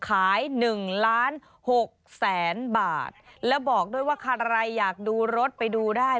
หนึ่งล้านหกแสนบาทแล้วบอกด้วยว่าใครอยากดูรถไปดูได้